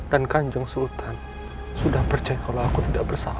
dan anjong sultan sudah percaya kalau aku tidak bersalah